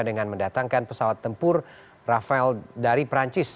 dengan mendatangkan pesawat tempur rafael dari perancis